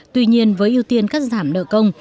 tuy nhiên với ưu tiên các giảm nợ công